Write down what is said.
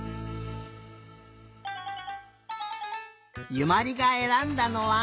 ゆまりがえらんだのは？